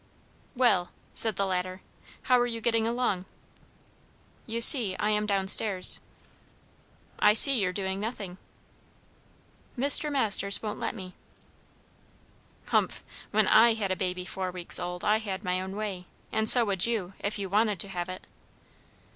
"Well!" said the latter, "how are you getting along?" "You see, I am down stairs." "I see you're doing nothing." "Mr. Masters wont let me." "Humph! When I had a baby four weeks old, I had my own way. And so would you, if you wanted to have it."